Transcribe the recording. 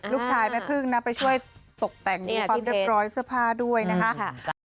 ลูกชายแม่พึ่งนะไปช่วยตกแต่งดูความเรียบร้อยเสื้อผ้าด้วยนะคะ